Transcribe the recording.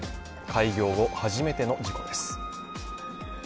開業後初めての事故です。